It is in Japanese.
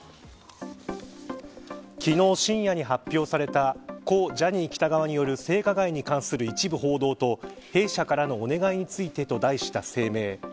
昨日、深夜に発表された故ジャニー喜多川による性加害に関する一部報道と弊社からのお願いについてと題した声明。